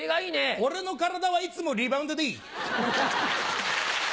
俺の体はいつもリバウンドでい！